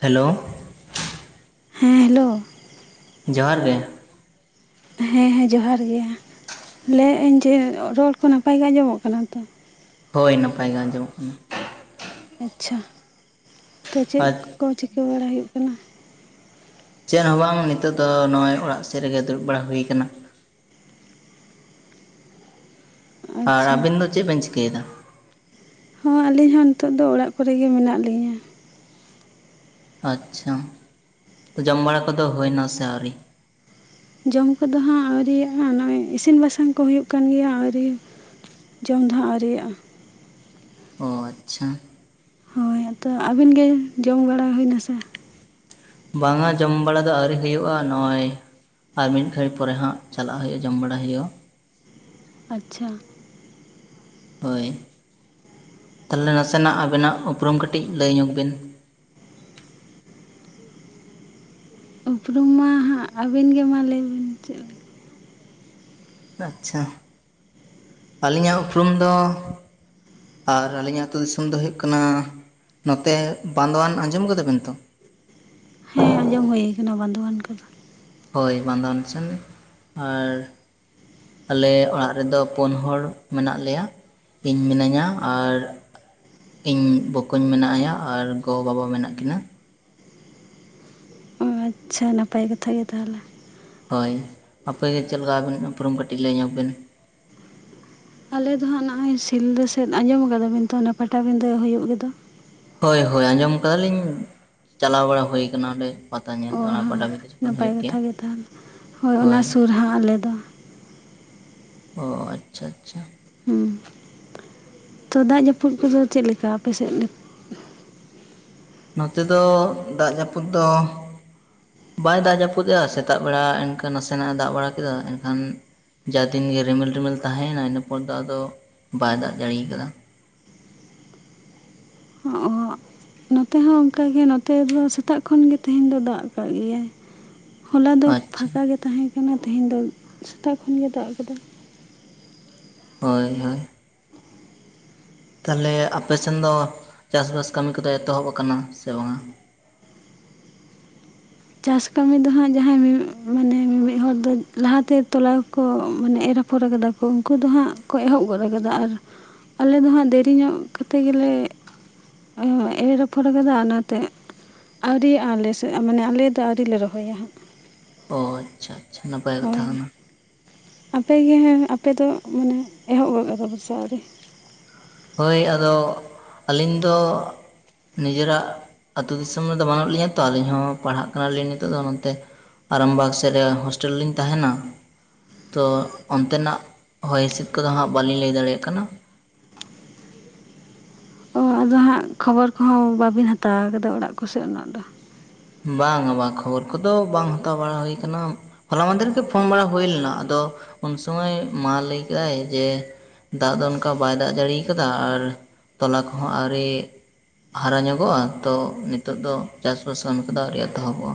Hello ᱦᱮᱸ hello ᱡᱚᱦᱟᱨ ᱜᱮ ᱦᱮᱸ ᱦᱮᱸ ᱡᱚᱦᱟᱨ ᱜᱮ ᱞᱟᱹᱭᱮᱫ ᱟᱹᱧ ᱡᱮ ᱨᱚᱲ ᱠᱚ ᱱᱟᱯᱟᱭ ᱜᱮ ᱟᱸᱡᱚᱢᱚᱜ ᱠᱟᱱᱟ ᱛᱚ ᱦᱳᱭ ᱱᱟᱯᱟᱭ ᱜᱮ ᱟᱸᱡᱚᱢᱚᱜ ᱠᱟᱱᱟ ᱟᱪᱪᱷᱟ ᱛᱚ ᱪᱮᱫ ᱟᱨ ᱠᱚ ᱪᱤᱠᱟ. ᱵᱟᱲᱟ ᱦᱩᱭᱩᱜ ᱠᱟᱱᱟ ᱪᱮᱫ ᱦᱚᱸ ᱵᱟᱝ ᱱᱤᱛᱚᱜ ᱫᱚ ᱱᱚᱜᱼᱚᱭ ᱚᱲᱟᱜ ᱥᱮᱫ ᱨᱮᱜᱮ ᱫᱩᱲᱩᱵ ᱵᱟᱲᱟ ᱦᱩᱭ ᱠᱟᱱᱟ ᱟᱨ ᱟᱪᱪᱷᱟ ᱟᱵᱮᱱ ᱫᱚ ᱪᱮᱫ ᱵᱮᱱ ᱪᱤᱠᱟᱹᱭ ᱫᱟ ᱦᱚᱸ ᱟᱹᱞᱤᱧ ᱦᱚᱸ ᱱᱤᱛᱚᱜ ᱫᱚ ᱚᱲᱟᱜ ᱠᱚᱨᱮ ᱜᱮ ᱢᱮᱱᱟᱜ ᱞᱤᱧᱟᱹ ᱟᱪᱪᱷᱟ ᱡᱚᱢ ᱵᱟᱲᱟ ᱠᱚᱫᱚ ᱦᱩᱭᱮᱱᱟ ᱥᱮ ᱟᱹᱣᱨᱤ ᱡᱚᱢ ᱠᱚᱫᱚ ᱦᱟᱸᱜ ᱟᱹᱣᱨᱤᱭᱟᱜ ᱱᱚᱜᱼᱚᱭ ᱤᱥᱤᱱ ᱵᱟᱥᱟᱝ ᱠᱚ ᱦᱩᱭᱩᱜ ᱠᱟᱱ ᱜᱮᱭᱟ ᱟᱹᱣᱨᱤ ᱡᱚᱢ ᱫᱚ ᱦᱟᱸᱜ ᱟᱹᱣᱨᱤᱭᱟᱜᱼᱟ ᱚ ᱟᱪᱪᱷᱟ ᱦᱳᱭ ᱟᱫᱚ ᱟᱹᱵᱤᱱ ᱜᱮ ᱡᱚᱢ ᱵᱟᱲᱟ ᱦᱩᱭᱮᱱᱟ ᱥᱮ ᱵᱟᱝᱟ ᱡᱚᱢ ᱵᱟᱲᱟ ᱫᱚ ᱟᱹᱣᱨᱤ ᱦᱩᱭᱩᱜᱼᱟ ᱱᱚᱜᱼᱚᱭ ᱟᱨ ᱢᱤᱫ ᱜᱷᱟᱹᱲᱤᱡ ᱯᱚᱨᱮ ᱦᱟᱸᱜ ᱪᱟᱞᱟᱜ ᱦᱩᱭᱩᱜᱼᱟ ᱡᱚᱢ ᱵᱟᱲᱟ ᱦᱳᱭᱳᱜᱼᱟ ᱟᱪᱪᱷᱟ ᱦᱳᱭ ᱛᱟᱦᱚᱞᱮ ᱱᱟᱥᱮᱱᱟᱜ ᱟᱵᱮᱱᱟᱜ ᱩᱯᱨᱩᱢ ᱠᱟᱹᱴᱤᱡ ᱞᱟᱹᱭ ᱧᱚᱜ ᱵᱮᱱ ᱩᱯᱨᱩᱢ ᱢᱟ ᱦᱟᱸᱜ ᱟᱹᱵᱤᱱ ᱜᱮ ᱢᱟ ᱞᱟᱹᱭ ᱵᱮᱱ ᱟᱪᱪᱷᱟ ᱟᱹᱞᱤᱧᱟᱜ ᱩᱯᱨᱩᱢ ᱫᱚ ᱟᱨ ᱟᱹᱞᱤᱧ ᱟᱛᱳ ᱫᱤᱥᱚᱢ ᱫᱚ ᱦᱩᱭᱩᱜ ᱠᱟᱱᱟ ᱱᱚᱛᱮ ᱵᱟᱸᱫᱽᱣᱟᱱ ᱟᱸᱡᱚᱢ ᱟᱠᱟᱫᱟ ᱵᱮᱱ ᱛᱚ ᱦᱮᱸ ᱟᱸᱡᱚᱢ ᱦᱩᱭ ᱟᱠᱟᱱᱟ ᱵᱟᱱᱫᱷᱚᱣᱟᱱ ᱠᱚᱫᱚ ᱦᱳᱭ ᱵᱟᱸᱫᱽᱣᱟᱱ ᱥᱮᱱ ᱟᱨ ᱟᱞᱮ ᱚᱲᱟᱜ ᱨᱮᱫᱚ ᱯᱩᱱ ᱦᱚᱲ ᱢᱮᱱᱟᱜ ᱞᱮᱭᱟ ᱤᱧ ᱢᱤᱱᱟᱹᱧᱟ ᱟᱨ ᱤᱧ ᱵᱚᱠᱚᱧ ᱢᱮᱱᱟᱭᱟ ᱟᱨ ᱜᱚ ᱵᱟᱵᱟ ᱢᱮᱱᱟᱜ ᱠᱤᱱᱟ ᱟᱪᱷᱟ ᱱᱟᱯᱟᱭ ᱠᱟᱛᱷᱟ ᱜᱮ ᱛᱟᱦᱮᱞᱮ ᱦᱳᱭ ᱟᱯᱮᱜᱮ ᱪᱮᱫ ᱞᱮᱠᱟ ᱟᱵᱤᱱ ᱩᱯᱨᱩᱢ ᱠᱟᱹᱴᱤᱡ ᱞᱟᱹᱭ ᱧᱚᱜᱵᱤᱱ ᱟᱞᱮ ᱫᱚ ᱦᱟᱸᱜ ᱱᱚᱜᱼᱚᱭ ᱥᱤᱞᱫᱟᱹ ᱥᱮᱫ ᱟᱸᱡᱚᱢ ᱟᱠᱟᱫᱟᱵᱤᱱ ᱛᱚ ᱚᱱᱟ ᱯᱟᱴᱟᱵᱤᱸᱫᱟᱹ ᱦᱩᱭᱩᱜ ᱜᱮᱫᱚ ᱦᱳᱭ ᱦᱳᱭ ᱟᱸᱡᱚᱢ ᱟᱠᱟᱫᱟᱞᱤᱧ ᱪᱟᱞᱟᱣ ᱵᱟᱲᱟ ᱦᱳᱭ ᱟᱠᱟᱱᱟ ᱚᱸᱰᱮ ᱯᱟᱛᱟ ᱧᱮᱞ ᱚ ᱚᱱᱟ ᱯᱟᱴᱟ ᱦᱮᱸ ᱵᱤ ᱱᱟᱯᱟᱭ ᱠᱟᱛᱷᱟᱜᱮ ᱛᱟᱦᱞᱮ ᱦᱳᱭ ᱚᱱᱟ ᱥᱩᱨ ᱦᱟᱸᱜ ᱟᱞᱮᱫᱚ ᱚᱻ ᱟᱪᱪᱷᱟ ᱟᱪᱪᱷᱟ ᱦᱮᱸ ᱛᱚ ᱫᱟᱜ ᱡᱟᱹᱯᱩᱫ ᱠᱚᱫᱚ ᱪᱮᱫ ᱞᱮᱠᱟ ᱟᱯᱮᱥᱮᱫ ᱱᱚᱛᱮ ᱫᱚ ᱫᱟᱜ ᱡᱟᱹᱯᱩᱫ ᱫᱚ ᱵᱟᱭ ᱫᱟᱜ ᱡᱟᱹᱯᱩᱫᱼᱮᱫᱟ ᱥᱮᱛᱟᱜ ᱵᱮᱲᱟ ᱮᱱᱠᱟ ᱱᱟᱥᱮᱱᱟᱜᱼ ᱮ ᱫᱟᱜ ᱵᱟᱲᱟ ᱠᱮᱫᱟ ᱮᱱᱠᱷᱟᱱ ᱡᱟ ᱫᱤᱱ ᱜᱮ ᱨᱤᱢᱤᱞ ᱨᱤᱢᱤᱞ ᱛᱟᱦᱮᱸᱭᱮᱱᱟ ᱤᱱᱟᱹ ᱯᱚᱨ ᱫᱚ ᱟᱫᱚ ᱵᱟᱭ ᱫᱟᱜ ᱡᱟᱲᱤ ᱟᱠᱟᱫᱟ ᱚ ᱱᱚᱛᱮ ᱦᱚᱸ ᱚᱱᱠᱟ ᱜᱮ ᱱᱚᱛᱮ ᱫᱚ ᱥᱮᱛᱟᱜ ᱠᱷᱚᱱ ᱜᱮ ᱛᱮᱦᱮᱧ ᱫᱚ ᱫᱟᱜ ᱟᱠᱟᱫ ᱜᱮᱭᱟᱭ ᱦᱚᱞᱟ ᱫᱚ ᱟᱪᱪᱷᱟ ᱯᱷᱟᱸᱠᱟ ᱜᱮ ᱛᱟᱦᱮᱸ ᱠᱟᱱᱟ ᱛᱮᱦᱮᱧ ᱫᱚ ᱥᱮᱛᱟᱜ ᱠᱷᱚᱱ ᱜᱮ ᱫᱟᱜ ᱟᱠᱟᱫᱟ ᱦᱳᱭ ᱦᱳᱭ ᱛᱟᱦᱮᱞᱮ ᱟᱯᱮᱥᱮᱱ ᱫᱚ ᱪᱟᱥ ᱵᱟᱥ ᱠᱟᱹᱢᱤ ᱠᱚᱫᱚ ᱮᱛᱚᱦᱚᱵ ᱟᱠᱟᱱᱟ ᱥᱮ ᱵᱟᱝᱟ ᱪᱟᱥ ᱠᱟᱹᱢᱤ ᱫᱚ ᱦᱟᱸᱜ ᱡᱟᱦᱟᱸᱭ ᱢᱤ ᱢᱟᱱᱮ ᱢᱤᱢᱤᱫ ᱦᱚᱲ ᱫᱚ ᱞᱟᱦᱟᱛᱮ ᱛᱚᱞᱟᱣᱠᱚ ᱢᱟᱱᱮ ᱮᱨ ᱟᱯᱷᱚᱨ ᱟᱠᱟᱫᱟ ᱩᱱᱠᱩ ᱫᱚ ᱦᱟᱸᱜ ᱠᱚ ᱮᱦᱚᱵ ᱜᱚᱫ ᱠᱟᱫᱟ ᱟᱨ ᱟᱞᱮ ᱫᱚ ᱦᱟᱸᱜ ᱫᱮᱨᱤ ᱧᱚᱜ ᱠᱟᱛᱮᱫ ᱜᱮᱞᱮ ᱮᱨ ᱟᱯᱷᱚᱨ ᱠᱟᱫᱟ ᱚᱱᱟᱛᱮ ᱟᱹᱣᱨᱤ ᱟᱞᱮᱥᱮᱫ ᱢᱟᱱᱮ ᱟᱞᱮ ᱟᱹᱣᱨᱤ ᱞᱮ ᱨᱚᱦᱚᱭᱟ ᱦᱟᱸᱜ ᱚ ᱟᱪᱪᱷᱟ ᱟᱪᱪᱷᱟ ᱱᱟᱯᱟᱭ ᱠᱟᱛᱷᱟ ᱦᱳᱭ ᱠᱟᱱᱟ ᱟᱯ ᱜᱮ ᱦᱮᱸ ᱟᱯᱮ ᱫᱚ ᱢᱟᱱᱮ ᱮᱦᱚᱵ ᱜᱚᱫ ᱠᱟᱫᱟ ᱯᱮᱥᱮ ᱟᱹᱣᱨᱤ ᱦᱳᱭ ᱟᱫᱚ ᱟᱹᱞᱤᱧ ᱫᱚ ᱱᱤᱡᱮᱨᱟᱜ ᱟᱹᱛᱩ ᱫᱤᱥᱚᱢ ᱨᱮᱫᱚ ᱵᱟᱹᱱᱩᱜ ᱞᱤᱧᱟ ᱛᱚ ᱟᱹᱞᱤᱧ ᱦᱚᱸ ᱯᱟᱲᱦᱟᱜ ᱠᱟᱱᱟᱞᱤᱧ ᱱᱤᱛᱚᱜ ᱫᱚ ᱱᱛᱮ ᱟᱨᱟᱢᱵᱟᱜᱽ ᱥᱮᱫ ᱨᱮ ᱦᱳᱥᱴᱮᱞ ᱨᱮ ᱞᱤᱧ ᱛᱟᱦᱮᱱᱟ ᱛᱚ ᱚᱱᱛᱮᱱᱟᱜ ᱦᱚᱭ ᱦᱤᱸᱥᱤᱫ ᱠᱚᱫᱚ ᱦᱟᱸᱜ ᱵᱟᱹᱞᱤᱧ ᱞᱟᱹᱭ ᱫᱟᱲᱮᱭᱟᱜ ᱠᱟᱱᱟ ᱚ ᱟᱫᱚ ᱦᱟᱸᱜ ᱠᱷᱚᱵᱚᱨ ᱠᱚᱦᱚᱸ ᱵᱟᱵᱤᱱ ᱦᱟᱛᱟᱣ ᱟᱠᱟᱫᱟ ᱚᱲᱟᱜ ᱠᱚᱥᱮᱫ ᱩᱱᱟᱹᱜ ᱫᱚ ᱵᱟᱝᱟ ᱵᱟᱝ ᱠᱷᱚᱵᱚᱨ ᱠᱚᱫᱚ ᱵᱟᱝ ᱦᱟᱛᱟᱣ ᱵᱟᱲᱟ ᱦᱩᱭ ᱟᱠᱟᱱᱟ ᱦᱚᱞᱟ ᱢᱟᱦᱫᱷᱮᱨᱜᱮ ᱯᱷᱳᱱ ᱵᱟᱲᱟ ᱦᱩᱭ ᱞᱮᱱᱟ ᱟᱫᱚ ᱩᱱ ᱥᱚᱢᱚᱭ ᱢᱟ ᱞᱟᱹᱭ ᱠᱮᱫᱟᱭ ᱡᱮ ᱫᱟᱜ ᱫᱚ ᱚᱱᱠᱟ ᱵᱟᱭ ᱫᱟᱜ ᱡᱟᱲᱤᱭᱟ ᱟᱠᱟᱫᱟ ᱟᱨ ᱛᱚᱞᱟ ᱠᱚᱦᱚᱸ ᱟᱹᱣᱨᱤ ᱦᱟᱨᱟ ᱧᱚᱜᱚᱜᱼᱟ ᱛᱚ ᱱᱤᱛᱚᱜ ᱫᱚ ᱪᱟᱥᱵᱟᱥ ᱠᱟᱹᱢᱤ ᱠᱟ ᱮᱛᱚᱦᱚᱵᱚᱜᱼᱟ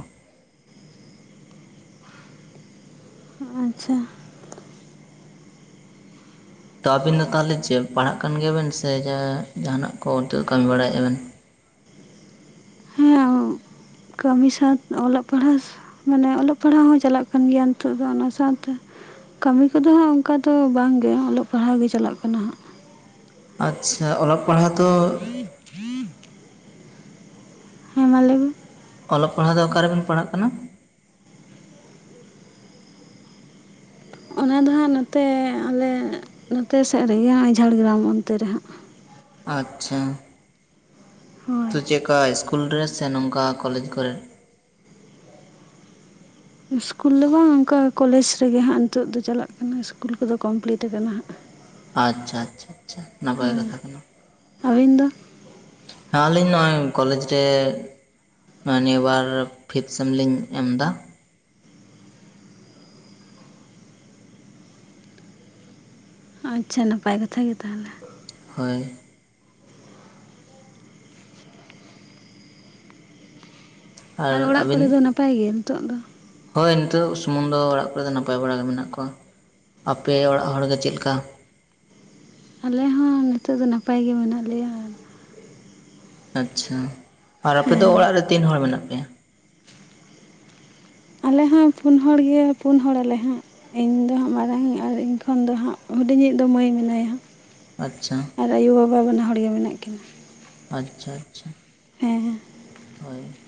ᱟᱪᱪᱷᱟ ᱛᱚ ᱟᱵᱤᱱ ᱫᱚ ᱛᱟᱦᱚᱞᱮ ᱪᱮᱫ ᱯᱟᱲᱦᱟᱣᱜ ᱠᱟᱱ ᱜᱮᱭᱟᱵᱤᱱ ᱥᱮ ᱡᱟᱦᱟᱱᱟᱜ ᱠᱚ ᱠᱟᱹᱢᱤ ᱵᱟᱲᱟᱭᱮᱫᱼᱟ ᱵᱤᱱ ᱦᱮᱸ ᱠᱟᱹᱢᱤ ᱥᱟᱶ ᱚᱞᱚᱜ ᱯᱟᱲᱦᱟᱣ ᱢᱟᱱᱮ ᱚᱞᱚᱜ ᱯᱟᱲᱦᱟᱣ ᱦᱚᱸ ᱪᱟᱞᱟᱜ ᱠᱟᱱ ᱜᱮᱭᱟ ᱱᱤᱛᱚᱜ ᱫᱚ ᱚᱱᱟ ᱥᱟᱶᱛᱮ ᱠᱟᱹᱢᱤ ᱠᱚᱫᱚ ᱦᱟᱸᱜ ᱚᱱᱠᱟ ᱫᱚ ᱵᱟᱝ ᱜᱮ ᱚᱞᱚᱜ ᱯᱟᱲᱦᱟᱣ ᱜᱮ ᱪᱟᱞᱟᱜ ᱠᱟᱱᱟ ᱦᱟᱸᱜ ᱟᱪᱷᱟ ᱚᱞᱚᱜ ᱯᱟᱲᱦᱟᱣ ᱛᱚ ᱯᱷᱨᱤ [unintelligible] ᱦᱮᱸ ᱢᱟ ᱞᱟᱹᱭ ᱢᱮ ᱚᱞᱚᱜ ᱯᱟᱲᱦᱟᱣ ᱫᱚ ᱚᱠᱟ ᱨᱮᱵᱤᱱ ᱯᱟᱲᱦᱟᱜ ᱠᱟᱱᱟ ᱚᱱᱟ ᱫᱚ ᱦᱟᱸᱜ ᱱᱚᱛᱮ ᱟᱞᱮ ᱱᱚᱛᱮ ᱥᱮᱫ ᱨᱮᱜᱮ ᱱᱚᱜᱚᱭ ᱡᱷᱟᱲᱜᱨᱟᱢ ᱚᱱᱛᱮ ᱨᱮ ᱦᱟᱸ ᱟᱪᱷᱟ ᱦᱳᱭ ᱛᱚ ᱪᱮᱫ ᱞᱮᱠᱟ ᱤᱥᱠᱩᱞ ᱨᱮ ᱥᱮ ᱱᱚᱝᱠᱟ ᱠᱚᱞᱮᱡᱽ ᱠᱚᱨᱮ ᱤᱥᱠᱩᱞ ᱫᱚ ᱵᱟᱝ ᱚᱱᱠᱟ ᱠᱚᱞᱮᱡᱽ ᱨᱮᱜᱮ ᱦᱟᱸᱜ ᱱᱤᱛᱚᱜ ᱫᱚ ᱪᱟᱞᱟᱜ ᱠᱟᱱᱟ ᱤᱥᱠᱩᱞ ᱠᱚᱫᱚ ᱠᱚᱢᱯᱞᱤᱴ ᱟᱠᱟᱱᱟ ᱦᱟᱸᱜ ᱟᱪᱪᱷᱟ ᱟᱪᱷᱟᱷᱟ ᱱᱟᱯᱟᱭ ᱦᱳᱭ ᱠᱟᱛᱷᱟ ᱠᱟᱱᱟ ᱟᱹᱵᱤᱱ ᱫᱚ ᱦᱮᱸ ᱟᱹᱞᱤᱧ ᱱᱚᱜᱼᱚᱭ ᱠᱚᱞᱮᱡᱽ ᱨᱮ ᱢᱟᱱᱮ ᱵᱟᱨ ᱯᱷᱤᱥ ᱥᱮᱢ ᱞᱤᱧ ᱮᱢ ᱮᱫᱟ ᱟᱪᱪᱷᱟ ᱱᱟᱯᱟᱭ ᱠᱟᱛᱷᱟ ᱜᱮ ᱛᱟᱦᱚᱞᱮ ᱦᱳᱭ ᱟᱨ ᱟ, ᱚᱲᱟᱜ ᱵᱤ ᱠᱚᱨᱮ ᱫᱚ ᱱᱟᱯᱟᱭ ᱜᱮ ᱱᱤᱛᱚᱜ ᱫᱚ ᱦᱳᱭ ᱱᱤᱛᱚᱜ ᱥᱩᱢᱩᱝ ᱫᱚ ᱚᱲᱟᱜ ᱠᱚᱨᱮ ᱫᱚ ᱱᱟᱯᱟᱭ ᱵᱟᱲᱟᱜ ᱜᱮ ᱢᱮᱱᱟᱜ ᱠᱚᱣᱟ ᱟᱯᱮ ᱚᱲᱟᱜ ᱦᱚᱲ ᱜᱮ ᱪᱮᱫ ᱞᱮᱠᱟ ᱟᱞᱮ ᱦᱚᱸ ᱱᱤᱛᱚᱜ ᱫᱚ ᱱᱟᱯᱟᱭ ᱜᱮ ᱢᱮᱱᱟᱜ ᱞᱮᱭᱟ ᱟᱪᱪᱷᱟ ᱟᱨ ᱟᱯᱮ ᱫᱚ ᱦᱮᱸ ᱚᱲᱟᱜ ᱨᱮ ᱛᱤᱱ ᱦᱚᱲ ᱢᱮᱱᱟᱜ ᱯᱮᱭᱟ ᱟᱞᱮ ᱦᱚᱸ ᱯᱩᱱ ᱦᱚᱲ ᱜᱮ ᱯᱩᱱ ᱦᱚᱲᱟᱞᱮ ᱦᱟᱸᱜ ᱤᱧ ᱫᱚ ᱦᱟᱸᱜ ᱢᱟᱨᱟᱝ ᱟᱨ ᱤᱧ ᱠᱷᱚᱱ ᱫᱚ ᱦᱟᱸᱜ ᱦᱩᱰᱤᱧᱤᱡ ᱫᱚ ᱢᱟᱹᱭ ᱢᱮᱱᱟᱭᱟ ᱟᱪᱪᱷᱟ ᱟᱨ ᱟᱭᱩᱼᱵᱟᱵᱟ ᱵᱟᱱᱟ ᱦᱚᱲ ᱜᱮ ᱢᱮᱱᱟᱜ ᱠᱤᱱᱟᱹ ᱟᱪᱪᱷᱟ ᱟᱪᱪᱷᱟ ᱦᱮᱸ ᱦᱮᱸ ᱦᱳᱭ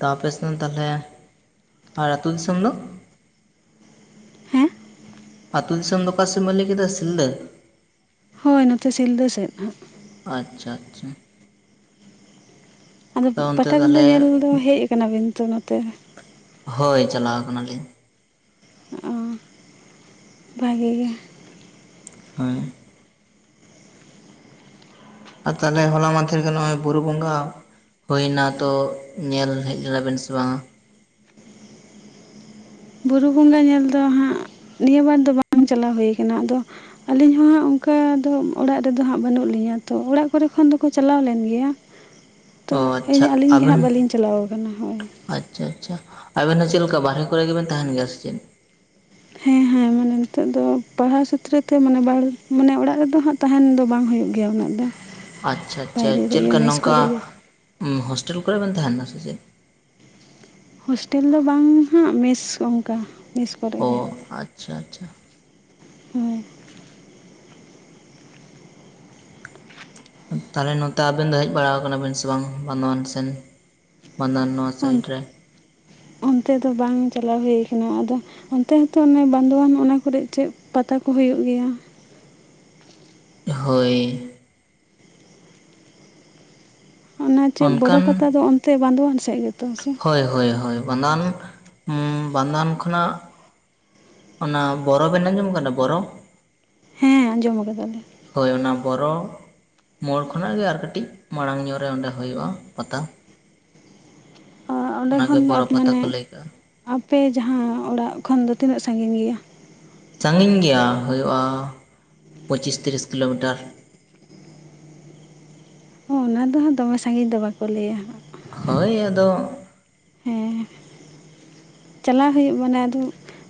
ᱛᱟᱯᱮᱥ ᱛᱟᱦᱚᱞᱮ ᱟᱨ ᱟᱹᱛᱩ ᱫᱤᱥᱚᱢ ᱫᱚ ᱦᱮᱸ ᱟᱹᱛᱩ ᱫᱤᱥᱚᱢ ᱫᱚ ᱚᱠᱟᱱ ᱥᱮᱫ ᱢᱟᱹᱞᱤᱠᱮᱫᱟ ᱥᱤᱞ ᱫᱟᱹ ᱦᱳᱭ ᱱᱚᱛᱮ ᱥᱤᱞᱫᱟᱹ ᱥᱮᱫ ᱟᱪᱪᱷᱟ ᱟᱪᱪᱷᱟ ᱟᱫᱚ ᱛᱚ ᱚᱱᱛᱮ ᱯᱟᱴᱟᱵᱤᱫᱟᱹ ᱛᱟᱦᱚᱞᱮ ᱧᱮᱞ ᱫᱚ ᱦᱮᱡ ᱟᱠᱟᱱᱟᱵᱤᱱ ᱛᱚ ᱱᱚᱛᱮ ᱦᱳᱭ ᱪᱟᱞᱟᱣ ᱠᱟᱱᱟᱞᱤᱧ ᱚ ᱵᱷᱟᱜᱮ ᱜᱮ ᱦᱳᱭ ᱟᱨ ᱛᱟᱦᱚᱞᱮ ᱦᱚᱞᱟ ᱢᱟᱫᱷᱮᱨ ᱜᱮ ᱱᱚᱜᱼᱚᱭ ᱵᱩᱨᱩ ᱵᱚᱸᱜᱟ ᱦᱩᱭ ᱱᱟ ᱛᱚ ᱧᱮᱞ ᱦᱮᱡ ᱞᱮᱱᱟᱵᱮᱱ ᱥᱮ ᱵᱟᱝᱟ ᱵᱩᱨᱩ ᱵᱚᱸᱜᱟ ᱧᱮᱞ ᱫᱚ ᱦᱟᱸᱜ ᱱᱤᱭᱟᱹ ᱵᱟᱨ ᱫᱚ ᱵᱟᱝ ᱪᱟᱞᱟᱣ ᱦᱩᱭᱩ ᱠᱟᱱᱟ ᱟᱫᱚ ᱟᱹᱞᱤᱧ ᱦᱚᱸ ᱦᱟᱸᱜ ᱚᱱᱠᱟ ᱫᱚ ᱚᱲᱟᱜ ᱨᱮᱫᱚ ᱦᱟᱸᱜ ᱵᱟᱹᱱᱩᱜ ᱞᱤᱧᱟᱹ ᱛᱚ ᱚᱲᱟᱜ ᱠᱚᱨᱮ ᱠᱷᱚᱱ ᱫᱚᱠᱚ ᱪᱟᱞᱟᱣ ᱞᱮᱱ ᱜᱮᱭᱟ [inaudible] ᱛᱚ ᱟᱪᱪᱷᱟ [unintelligible] ᱟᱹᱞᱤᱧ ᱜᱮ ᱟᱵᱮᱱ ᱦᱟᱸᱜ ᱵᱟᱹᱞᱤᱧ ᱪᱟᱞᱟᱣ ᱠᱟᱱᱟ ᱦᱳᱭ ᱟᱪᱪᱷᱟ ᱟᱪᱪᱷᱟ ᱟᱵᱮᱱ ᱦᱚᱸ ᱪᱮᱫ ᱞᱮᱠᱟ ᱵᱟᱨᱦᱮ ᱠᱚᱨᱮ ᱜᱮᱵᱮᱱ ᱛᱟᱦᱮᱱ ᱜᱮᱭᱟ ᱥᱮ ᱪᱮᱫ ᱦᱮᱸ ᱦᱮᱸ [unintelligible] [unintelligible] ᱱᱤᱛᱚᱜ ᱫᱚ ᱯᱟᱲᱦᱟᱣ ᱥᱩᱛᱨᱚ [unintelligible] ᱢᱟᱱᱮ ᱚᱲᱟᱜ ᱨᱮᱫᱚ ᱦᱟᱸᱜ ᱛᱟᱦᱮᱱ ᱫᱚ ᱵᱟᱝ ᱦᱩᱭᱩᱜ ᱜᱮᱭᱟ ᱩᱱᱟᱹᱜ ᱫᱚ ᱟᱪᱪᱷᱟ ᱟᱪᱪᱷᱟ ᱵᱟᱭᱨᱮ ᱪᱮᱫ ᱨᱮᱜᱮ ᱠᱟᱱ ᱢᱮᱥ ᱱᱚᱝᱠᱟ ᱠᱚᱨᱮ ᱜᱮ ᱦᱳᱥᱴᱮᱞ ᱠᱚᱨᱮ ᱵᱮᱱ ᱛᱟᱦᱮᱱᱟ ᱥᱮ ᱪᱮᱫ ᱦᱳᱥᱴᱮᱞ ᱫᱚ ᱵᱟᱝ ᱦᱟᱸᱜ ᱢᱮᱥ ᱚᱱᱠᱟ ᱢᱮᱥ ᱠᱚᱨᱮ ᱚ ᱜᱮ ᱦᱟᱸᱜ ᱟᱪᱪᱷᱟ ᱟᱪᱪᱷᱟ ᱦᱳᱭ ᱛᱟᱦᱚᱞᱮ ᱱᱚᱛᱮ ᱟᱵᱮᱱ ᱫᱚ ᱦᱮᱡ ᱵᱟᱲᱟ ᱟᱠᱟᱱᱟᱵᱤᱱ ᱥᱮ ᱵᱟᱝ ᱵᱟᱸᱫᱷᱣᱟᱱ ᱥᱮᱱ ᱵᱟᱸᱫᱷᱣᱟᱱ ᱱᱚᱣᱟ ᱚᱱ ᱥᱟᱭᱤᱴ ᱨᱮ ᱚᱱᱛᱮ ᱫᱚ ᱵᱟᱝ ᱪᱟᱞᱟᱣ ᱦᱩᱭᱩ ᱟᱠᱟᱱᱟ ᱟᱫᱚ ᱚᱱᱛᱮ ᱦᱚᱸᱛᱚ ᱚᱱᱮ ᱵᱟᱸᱫᱳᱣᱟᱱ ᱚᱱᱟ ᱠᱚᱨᱮ ᱪᱮᱫ ᱯᱟᱛᱟ ᱠᱚ ᱦᱩᱭᱩᱜ ᱜᱮᱭᱟ ᱦᱳᱭ ᱚᱱᱟ ᱪᱮᱫ ᱵᱚᱨᱚ ᱚᱱᱠᱟᱱ ᱯᱟᱛᱟ ᱫᱚ ᱚᱱᱛᱮ ᱵᱟᱱᱫᱳᱣᱟᱱ ᱥᱮᱫ ᱜᱮᱛᱚ ᱦᱮᱸᱥᱮ ᱦᱳᱭ ᱦᱳᱭ ᱦᱳᱭ ᱵᱟᱱᱫᱠᱣᱟᱱ ᱩᱸ ᱵᱟᱱᱫᱳᱣᱟᱱ ᱠᱷᱚᱱᱟᱜ ᱚᱱᱟ ᱵᱚᱨᱚ ᱵᱮᱱ ᱟᱸᱡᱚᱢ ᱠᱟᱫᱟ ᱵᱚᱨᱚ ᱦᱮᱸ ᱟᱸᱡᱚᱢ ᱠᱟᱫᱟᱞᱮ ᱦᱳᱭ ᱚᱱᱟ ᱵᱚᱨᱚ ᱢᱳᱲ ᱠᱷᱚᱱᱟᱜ ᱜᱮ ᱟᱨ ᱠᱟᱹᱴᱤᱡ ᱢᱟᱲᱟᱝ ᱧᱚᱜ ᱨᱮ ᱚᱸᱰᱮ ᱦᱳᱭᱳᱜᱼᱟ ᱯᱟᱛᱟ ᱚᱸᱰᱮ ᱚᱱᱟᱜᱮ ᱠᱷᱚᱱ ᱫᱚ ᱵᱚᱨᱚ ᱯᱟᱛᱟ ᱢᱟᱱᱮ ᱠᱚ ᱞᱟᱹᱭ ᱠᱟᱜ-ᱟ ᱟᱯᱮ ᱡᱟᱸᱦᱟ ᱚᱲᱟᱜ ᱠᱷᱚᱱ ᱫᱚ ᱛᱤᱱᱟᱹᱜ ᱥᱟᱺᱜᱤᱧ ᱜᱮᱭᱟ ᱥᱟᱺᱜᱤᱧ ᱜᱮᱭᱟ ᱦᱩᱭᱩᱜᱼᱟ ᱯᱚᱸᱪᱤᱥ ᱛᱤᱨᱤᱥ ᱠᱤᱞᱳᱢᱤᱴᱟᱨ ᱦᱮᱸ ᱚᱱᱟ ᱫᱚ ᱦᱟᱸᱜ ᱫᱚᱢᱮ ᱥᱟᱺᱜᱤᱧ ᱫᱚ ᱵᱟᱠᱚ ᱞᱟᱹᱭᱟ ᱦᱟᱸᱜ ᱦᱳᱭ ᱟᱫᱚ ᱦᱮᱸ ᱪᱟᱞᱟᱣ ᱦᱩᱭᱩᱜ ᱢᱟᱱᱮ ᱟᱫᱚ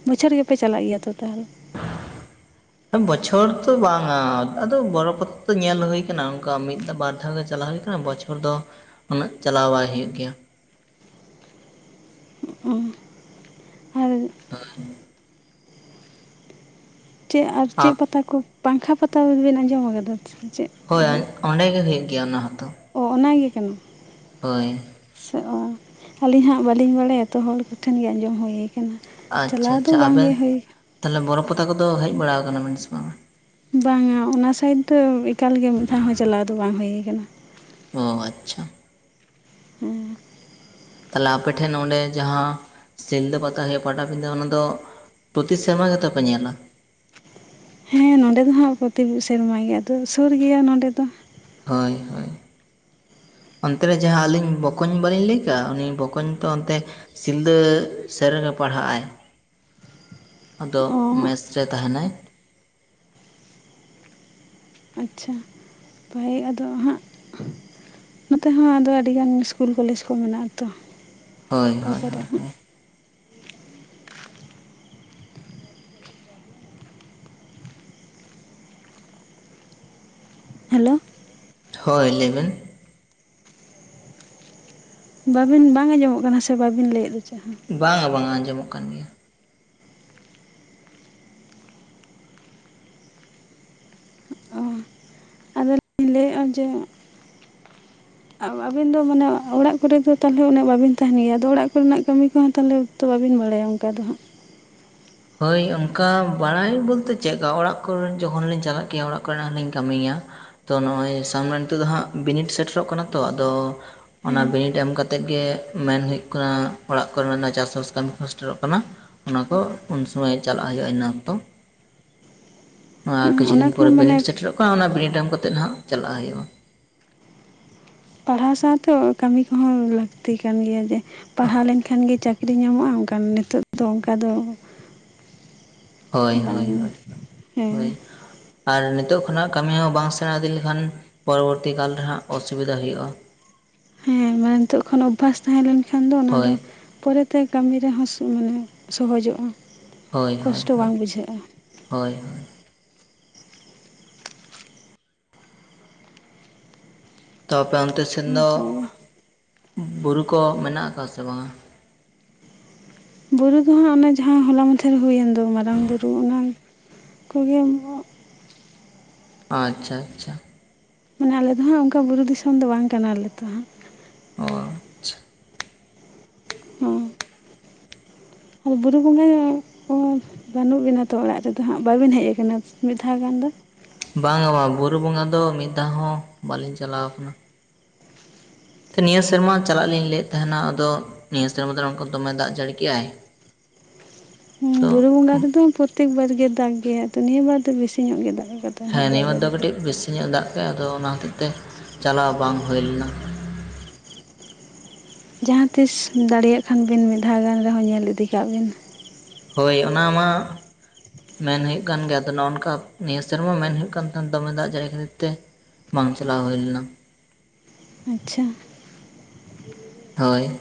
ᱵᱚᱪᱷᱚᱨ ᱜᱮᱯᱮ ᱪᱟᱞᱟᱜ ᱜᱮᱭᱟ ᱛᱚ ᱛᱟᱦᱞᱮ [inaudible] ᱵᱚᱪᱷᱚᱨ ᱛᱚ ᱵᱟᱝ-ᱟ ᱟᱫᱚ ᱵᱚᱨᱚ ᱯᱟᱛᱟ ᱫᱚ ᱧᱮᱞ ᱦᱩᱭ ᱠᱟᱱᱟ ᱚᱱᱠᱟ ᱢᱤᱫ ᱫᱷᱟᱣ ᱵᱟᱨ ᱫᱷᱟᱣ ᱜᱮ ᱪᱟᱞᱟᱣ ᱦᱩᱭ ᱠᱟᱱᱟ᱾ ᱵᱚᱪᱷᱚᱨ ᱫᱚ ᱩᱱᱟᱹᱜ ᱪᱟᱞᱟᱣ ᱵᱟᱭ ᱦᱩᱭᱩᱜ ᱜᱮᱭᱟ᱾ ᱦᱩᱸ ᱦᱳᱭ ᱪᱮᱫ ᱟᱨ ᱪᱮᱫ ᱯᱟᱛᱟ ᱠᱚ ᱯᱟᱝᱠᱷᱟ ᱯᱟᱛᱟ ᱵᱮᱱ ᱟᱸᱡᱚᱢ ᱟᱠᱟᱫᱟ ᱥᱮ ᱪᱮᱫ ᱦᱳᱭ ᱦᱩᱭᱩᱜ? ᱚᱸᱰᱮ ᱜᱮ ᱦᱩᱭᱩᱜ ᱜᱮᱭᱟ ᱚᱱᱟ ᱦᱚᱸᱛᱚ ᱚ ᱚᱱᱟ ᱜᱮ ᱠᱟᱱᱟ ᱦᱳᱭ ᱥᱮ ᱚ ᱟᱹᱞᱤᱧ ᱦᱟᱸᱜ ᱵᱟᱹᱞᱤᱧ ᱵᱟᱲᱟᱭᱟ ᱛᱚ ᱦᱚᱲ ᱠᱚ ᱴᱷᱮᱱ ᱜᱮ ᱟᱸᱡᱚᱢ ᱦᱩᱭ ᱠᱟᱱᱟ ᱪᱟᱞᱟᱹᱣ ᱫᱚ ᱵᱟᱝᱜᱮ ᱦᱩᱭ ᱠᱟ ᱛᱟᱞᱦᱮ ᱵᱚᱨᱚ ᱯᱟᱛᱟ ᱠᱚᱫᱚ ᱦᱮᱡ ᱵᱟᱲᱟ ᱠᱟᱱᱟ ᱵᱮᱱ ᱥᱮ ᱵᱟᱝᱟ ᱵᱟᱝᱟ ᱚᱱᱟ ᱥᱟᱭᱤᱰ ᱫᱚ ᱮᱠᱟᱞᱜᱮ ᱢᱤᱫ ᱫᱷᱟᱣ ᱦᱚᱸ ᱪᱟᱞᱟᱣ ᱫᱚ ᱵᱟᱝ ᱦᱩᱭ ᱠᱟᱱᱟ ᱚ ᱟᱪᱪᱷᱟ ᱦᱮᱸ ᱛᱟᱦᱚᱞᱮ ᱟᱯᱮ ᱴᱷᱮᱱ ᱚᱸᱰᱮ ᱡᱟᱦᱟᱸ ᱥᱤᱞᱫᱟᱹ ᱯᱟᱛᱟ ᱦᱩᱭᱩᱜᱼᱟ ᱯᱟᱴᱟᱵᱤᱸᱫᱟᱹ ᱚᱱᱟ ᱫᱚ ᱯᱨᱚᱛᱤ ᱥᱮᱨᱢᱟ ᱜᱮᱛᱚ ᱠᱚ ᱧᱮᱞᱟ᱾ ᱦᱮᱸ ᱱᱚᱰᱮ ᱫᱚ ᱦᱟᱸᱜ ᱯᱚᱛᱤ ᱥᱮᱨᱢᱟ ᱜᱮ ᱟᱫᱚ ᱥᱩᱨ ᱜᱮᱭᱟ ᱱᱚᱰᱮ ᱫᱚ᱾ ᱦᱳᱭ ᱦᱳᱭ ᱚᱱᱛᱮ ᱨᱮ ᱡᱟᱦᱟᱸ ᱟᱹᱞᱤᱧ ᱵᱚᱠᱚᱧ ᱵᱟᱞᱤᱧ ᱞᱟᱹᱭ ᱠᱟᱜᱼᱟ ᱩᱱᱤ ᱵᱚᱠᱚᱧ ᱛᱚ ᱚᱱᱛᱮ ᱥᱤᱞᱫᱟᱹ ᱥᱮᱨᱮᱜᱮ ᱯᱟᱲᱦᱟᱜᱼᱟᱭ ᱟᱫᱚ ᱚ ᱢᱮᱥ ᱨᱮ ᱛᱟᱦᱮᱱᱟᱭ᱾ ᱟᱪᱪᱷᱟ [unintelligible] ᱟᱫᱚ ᱦᱟᱸᱜ ᱱᱚᱛᱮ ᱦᱚᱸ ᱟᱫᱚ ᱟᱹᱰᱤ ᱜᱟᱱ ᱤᱥᱠᱩᱞ ᱠᱚᱞᱮᱡᱽ ᱠᱚ ᱢᱮᱱᱟᱜ ᱟᱛᱚ ᱦᱳᱭ ᱦᱳᱭ ᱦᱳᱭ ᱦᱳᱭ ᱦᱮᱞᱳ ᱦᱳᱭ ᱞᱟᱹᱭᱵᱮᱱ ᱵᱟᱵᱤᱱ ᱵᱟᱝ ᱟᱸᱡᱚᱢᱚᱜ ᱠᱟᱱᱟ ᱥᱮ ᱵᱟᱵᱤᱱ ᱞᱟᱹᱭᱮᱫ ᱫᱚ ᱪᱮᱫ ᱦᱚᱸ ᱵᱟᱝ-ᱟ ᱵᱟᱝ-ᱟ ᱟᱸᱡᱚᱢᱚᱜ ᱠᱟᱱ ᱜᱮᱭᱟ᱾ ᱚ ᱟᱫᱚᱞᱤᱧ ᱡᱮ ᱟᱹᱵᱤᱱ ᱫᱚ ᱢᱟᱱᱮ ᱚᱲᱟᱜ ᱠᱚᱨᱮ ᱫᱚ ᱛᱟᱦᱚᱞᱮ ᱩᱱᱟᱹᱜ ᱵᱟᱵᱤᱱ ᱛᱟᱦᱮᱱ ᱜᱮᱭᱟ ᱟᱫᱚ ᱚᱲᱟᱜ ᱠᱚᱨᱮᱱᱟᱜ ᱠᱟᱹᱢᱤ ᱠᱚᱦᱚᱸ ᱛᱟᱦᱞᱮ ᱛᱚ ᱵᱟᱹᱵᱤᱱ ᱵᱟᱲᱟᱭᱟ ᱚᱱᱠᱟ ᱫᱚ ᱦᱟᱸᱜ ᱦᱳᱭ ᱚᱱᱠᱟ ᱵᱟᱲᱟᱭ ᱵᱚᱞᱛᱮ ᱪᱮᱫ ᱚᱲᱟᱜ ᱠᱚᱨᱮ ᱡᱚᱠᱷᱚᱱ ᱞᱤᱧ ᱪᱟᱞᱟᱜ ᱜᱮᱭᱟ ᱚᱲᱟᱜ ᱠᱚᱨᱮᱱᱟᱜ ᱞᱤᱧ ᱠᱟᱹᱢᱤ ᱜᱮᱭᱟ ᱾ ᱛᱚ ᱱᱚᱜᱼᱚᱭ ᱥᱟᱢᱱᱮ ᱱᱤᱛᱳᱜ ᱫᱚ ᱦᱟᱸᱜ ᱵᱤᱱᱤᱰ ᱥᱮᱴᱮᱨᱚᱜ ᱠᱟᱱᱟ ᱛᱚ ᱟᱫᱚ ᱚᱱᱟ ᱦᱮᱸ ᱵᱤᱱᱤᱰ ᱮᱢ ᱠᱟᱛᱮᱫ ᱜᱮ ᱢᱮᱱ ᱦᱩᱭᱩᱜ ᱠᱟᱱᱟ ᱚᱲᱟᱜ ᱠᱚᱨᱮ ᱪᱟᱥᱵᱟᱥ ᱠᱟᱹᱢᱤ ᱠᱚ ᱥᱮᱥᱴᱮᱨᱚᱜ ᱠᱟᱱᱟ ᱚᱱᱟ ᱠᱚ ᱩᱱ ᱥᱚᱢᱟᱭ ᱪᱟᱞᱟᱜ ᱦᱩᱭᱩᱜᱼᱟ ᱤᱱᱟ ᱚᱠᱛᱚ ᱟᱨ ᱠᱤᱪᱷᱩ ᱚᱱᱟ ᱫᱤᱱ ᱯᱚᱨᱮ ᱠᱚᱦᱚᱸ ᱢᱟᱱᱮ ᱵᱤᱱᱤᱰ ᱥᱮᱴᱮᱨᱚᱜ ᱠᱟ ᱠᱟ ᱚᱱᱟ ᱵᱤᱱᱤᱰ ᱮᱢ ᱠᱟᱛᱮ ᱦᱟᱸᱜ ᱪᱟᱞᱟᱜ ᱦᱩᱭᱩᱜᱼᱟ᱾ ᱯᱟᱲᱦᱟᱣ ᱥᱟᱶᱛᱮ ᱠᱟᱹᱢᱤ ᱠᱚᱦᱚᱸ ᱞᱟᱹᱠᱛᱤ ᱠᱟᱱ ᱜᱮᱭᱟ ᱡᱮ ᱯᱟᱲᱦᱟᱣ ᱞᱮᱱᱠᱷᱟᱱ ᱜᱮ ᱪᱟᱹᱠ ᱠᱤᱨᱤ ᱧᱟᱢᱚᱜᱼᱟ ᱚᱱᱠᱟᱱ ᱱᱤᱛᱳᱜ ᱫᱚ ᱚᱱᱠᱟ ᱫᱚ ᱦᱳᱭ ᱵᱟᱝ ᱦᱳᱭ ᱦᱳᱭ ᱦᱮᱸ ᱦᱳᱭ ᱟᱨ ᱱᱤᱛᱳᱜ ᱠᱷᱚᱱᱟᱜ ᱠᱟᱹᱢᱤ ᱦᱚᱸ ᱵᱟᱝ ᱥᱮᱲᱟ ᱤᱫᱤ ᱞᱮᱠᱷᱟᱱ ᱯᱚᱨᱚᱵᱚᱨᱛᱤ ᱠᱟᱞ ᱨᱮ ᱦᱟᱸᱜ ᱚᱥᱩᱵᱤᱫᱷᱟᱟ ᱦᱩᱭᱩᱜᱼᱟ ᱦᱮᱸ ᱢᱟᱱᱮ ᱱᱤᱛᱳᱜ ᱠᱷᱚᱱ ᱚᱵᱷᱟᱥ ᱛᱟᱦᱮᱸ ᱞᱮᱱ ᱠᱷᱟᱱ ᱫᱚ ᱚᱱᱟ ᱫᱚ ᱦᱳᱭ ᱯᱚᱨᱮᱛ ᱛᱮ ᱠᱟᱹᱢᱤ ᱨᱮᱦᱚᱸ ᱢᱟᱱᱮ ᱥᱚᱦᱚᱡᱚᱜᱼᱟ ᱦᱳᱭ ᱦᱳᱭ ᱠᱚᱥᱴᱚ ᱦᱳᱭ ᱵᱟᱝ ᱵᱩᱡᱷᱟᱹᱜᱼᱟ ᱦᱳᱭ ᱦᱳᱭ ᱛᱚ ᱟᱯᱮ ᱚᱱᱛᱮ ᱥᱮᱱ ᱫᱚ ᱚᱱᱠᱟᱜᱮ ᱵᱩᱨᱩ ᱠᱚ ᱢᱮᱱᱟᱜ ᱟᱠᱟᱫ ᱥᱮ ᱵᱟᱝ-ᱟ᱾ ᱵᱩᱨᱩ ᱫᱚ ᱦᱟᱸᱜ ᱚᱱᱟ ᱡᱟᱦᱟᱸ ᱦᱚᱞᱟ ᱢᱟᱫᱷᱮᱨ ᱦᱩᱭᱮᱱ ᱫᱚ ᱢᱟᱨᱟᱝ ᱵᱩᱨᱩ ᱚᱱᱟ ᱠᱚᱜᱮ ᱵᱚ ᱟᱪᱪᱷᱟ ᱟᱪᱪᱷᱟ ᱢᱟᱱᱮ ᱟᱞᱮ ᱫᱚ ᱦᱟᱸᱜ ᱚᱱᱠᱟ ᱵᱩᱨᱩ ᱫᱤᱥᱚᱢ ᱫᱚ ᱵᱟᱝ ᱠᱟᱱᱟ ᱞᱮ ᱛᱚ ᱦᱟᱸᱜ ᱚ ᱟᱪᱪᱷᱟ ᱦᱚᱸ ᱵᱩᱨᱩ ᱵᱚᱸᱜᱟᱭᱟ ᱠᱚ ᱵᱟᱹᱱᱩᱜ ᱵᱤᱱᱟ ᱛᱚ ᱚᱲᱟᱜ ᱨᱮᱫᱚ ᱦᱟᱸᱜ ᱵᱟᱹᱵᱤᱱ ᱦᱮᱡ ᱟᱠᱟᱱᱟ ᱢᱤᱫ ᱫᱷᱟᱣ ᱜᱟᱱ ᱫᱚ ᱵᱟᱝ ᱟ ᱵᱟᱝ ᱵᱩᱨᱩ ᱵᱚᱸᱜᱟ ᱫᱚ ᱢᱤᱫ ᱫᱷᱟᱣ ᱦᱚᱸ ᱵᱟᱹᱞᱤᱧ ᱪᱟᱞᱟᱣ ᱟᱠᱟᱱᱟ ᱱᱤᱭᱟᱹ ᱥᱮᱨᱢᱟ ᱪᱟᱞᱟᱜ ᱞᱤᱧ ᱞᱟᱹᱭᱮᱫ ᱛᱟᱦᱮᱱᱟ ᱟᱫᱚ ᱱᱤᱭᱟᱹ ᱥᱮᱨᱢᱟ ᱫᱚ ᱫᱚᱢᱮ ᱫᱟᱜ ᱡᱟᱹᱲᱤᱼᱠᱮᱫᱟᱭ ᱵᱩᱨᱩ ᱵᱚᱸᱜᱟ ᱨᱮᱫᱚ ᱯᱨᱚᱛᱮᱠ ᱵᱟᱨ ᱜᱮ ᱫᱟᱜ ᱜᱮᱭᱟ ᱛᱚ ᱱᱤᱭᱟᱹ ᱵᱟᱨ ᱫᱚ ᱵᱤᱥᱤ ᱧᱚᱜ ᱜᱮ ᱫᱟᱜ ᱟᱠᱟᱫᱟ ᱦᱮᱸ ᱱᱤᱭᱟᱹ [unintelligible] ᱠᱟᱹᱴᱤᱡ ᱵᱮᱥᱤ ᱧᱚᱜ ᱫᱟᱜ ᱠᱮᱫ ᱟᱫᱚ ᱚᱱᱟ ᱦᱚᱛᱮᱡ ᱛᱮ ᱪᱟᱞᱟᱣ ᱵᱟᱝ ᱦᱩᱭ ᱞᱮᱱᱟ ᱡᱟᱦᱟᱸ ᱛᱤᱥ ᱫᱟᱲᱮᱭᱟᱜ ᱠᱷᱟᱱ ᱵᱤᱱ ᱢᱤᱫ ᱫᱷᱟᱣ ᱜᱟᱱ ᱨᱮᱦᱚᱸ ᱧᱮᱞ ᱤᱫᱤ ᱠᱟᱜ ᱵᱤᱱ ᱦᱳᱭ ᱚᱱᱟ ᱢᱟ ᱢᱮᱱ ᱦᱩᱭᱩᱜ ᱠᱟᱱ ᱜᱮᱭᱟ ᱟᱫᱚ ᱱᱚᱜ ᱱᱚᱝᱠᱟ ᱱᱤᱭᱟᱹ ᱥᱮᱨᱢᱟ ᱢᱮᱱ ᱦᱩᱭᱩᱜ ᱠᱟᱱ ᱛᱟᱦᱮᱸᱱᱟ ᱫᱚᱢᱮ ᱫᱟᱜ ᱡᱟᱹᱲᱤ ᱠᱷᱟᱹᱛᱤᱨ ᱛᱮ ᱵᱟᱝ ᱪᱟᱞᱟᱣ ᱦᱩᱭ ᱞᱮᱱᱟ᱾ ᱟᱪᱪᱷᱟ ᱦᱳᱭ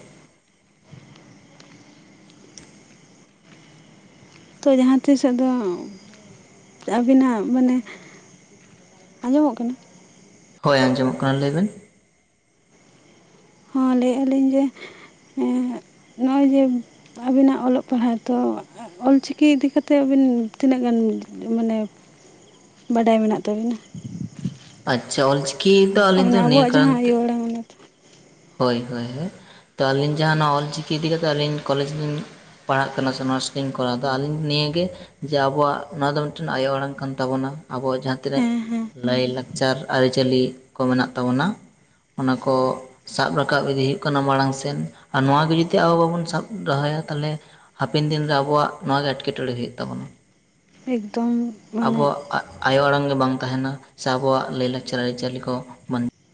ᱛᱚ ᱡᱟᱦᱟᱸ ᱛᱤᱥᱚᱜ ᱫᱚ ᱟᱹᱵᱤᱱᱟᱜ ᱢᱟᱱᱮ ᱟᱸᱡᱚᱢᱚᱜ ᱠᱟᱱᱟ ᱦᱳᱭ ᱟᱸᱡᱚᱢᱚᱜ ᱠᱟᱱᱟ ᱞᱟᱹᱭᱵᱮᱱ ᱦᱚᱸ ᱞᱟᱹᱭᱮᱜᱼᱟ ᱞᱤᱧ ᱡᱮ ᱱᱚᱼᱚᱭ ᱡᱮ ᱟᱵᱤᱱᱟᱜ ᱚᱞᱚᱜ ᱯᱟᱲᱦᱟ ᱛᱚ ᱚᱞ ᱪᱤᱠᱤ ᱤᱫᱤ ᱠᱟᱛᱮᱜ ᱟᱹᱵᱤᱱ ᱛᱤᱱᱟᱹᱜ ᱜᱟᱱ ᱢᱟᱱᱮ ᱵᱟᱰᱟᱭ ᱢᱮᱱᱟᱜ ᱛᱟᱵᱤᱱᱟ? ᱟᱪᱪᱷᱟ ᱚᱞ ᱪᱤᱠᱤ ᱫᱚ ᱟᱹᱞᱤᱧ ᱢᱟᱱᱮ ᱫᱚ ᱱᱤᱭᱟᱹ ᱟᱵᱚᱣᱟᱜ ᱠᱟᱨᱚᱱ ᱡᱟᱦᱟᱸ ᱛᱮ ᱤᱭᱟᱹ ᱦᱳᱭ ᱦᱳᱭ ᱦᱮ ᱛᱚ ᱟᱹᱞᱤᱧ ᱡᱟᱦᱟᱸ ᱱᱚ ᱚᱞ ᱪᱤᱠᱤ ᱤᱫᱤ ᱠᱟᱛᱮ ᱟᱹᱞᱤᱧ ᱠᱚᱞᱮᱡᱽ ᱞᱤᱧ ᱯᱟᱲᱟᱜ ᱠᱟᱱᱟ ᱥᱮ ᱚᱱᱟᱨᱥ ᱞᱤᱧ ᱠᱚᱨᱟᱣ ᱫᱟ ᱟᱹᱞᱤᱧ ᱱᱤᱭᱟᱹ ᱜᱮ ᱡᱮ ᱟᱵᱚᱣᱟᱜ ᱱᱚᱣᱟ ᱫᱚ ᱢᱤᱫᱴᱮᱱ ᱟᱭᱳ ᱟᱲᱟᱝ ᱠᱟᱱ ᱛᱟᱵᱚᱳᱱᱟ ᱟᱵᱚᱣᱟᱜ ᱡᱟᱦᱟᱸ ᱛᱤᱱᱟᱹᱜ ᱦᱮᱸ ᱦᱮᱸ ᱞᱟᱭᱞᱟᱠᱪᱟᱨ ᱟᱹᱨᱤᱪᱟᱹᱞᱤ ᱠᱚ ᱢᱮᱱᱟᱜ ᱛᱟᱵᱚᱱᱟ ᱚᱱᱟᱠᱚ ᱥᱟᱵ ᱨᱟᱠᱟᱵ ᱤᱫᱤ ᱦᱩᱭᱩᱜ ᱠᱟᱱᱟ ᱢᱟᱲᱟᱝ ᱥᱮᱱ ᱟᱨ ᱱᱚ ᱜᱮ ᱡᱩᱫᱤ ᱟᱵᱚ ᱵᱟᱵᱚᱱ ᱥᱟᱵ ᱫᱚᱦᱚᱭᱟ ᱛᱟᱦᱚᱞᱮ ᱦᱟᱯᱮᱱ ᱫᱤᱱ ᱨᱮ ᱟᱵᱚᱣᱟᱜ ᱱᱚᱣᱟ ᱜᱮ ᱮᱴᱠᱮᱴᱚᱬᱮ ᱦᱩᱭᱩᱜ ᱛᱟᱵᱚᱱᱟ ᱮᱠᱫᱚᱢ ᱢᱟᱱᱮ ᱟᱵᱚᱣᱟᱜ ᱟᱭᱳ ᱟᱲᱟᱝ ᱜᱮ ᱵᱟᱝ ᱛᱟᱦᱮᱱᱟ ᱥᱮ ᱟᱵᱚᱣᱟᱜ ᱞᱟᱹᱭ ᱞᱟᱠᱪᱟᱨ ᱟᱹᱨᱤᱪᱟᱹᱞᱤ ᱠᱚ ᱵᱚᱱ